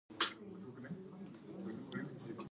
意気が阻喪して縮み上がっておそれること。